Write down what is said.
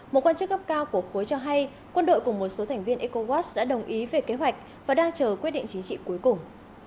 một quan chức gấp cao của khối cho hay quân đội cùng một số thành viên ecowas đã đồng ý về kế hoạch và đang chờ quyết định chính trị cuối cùng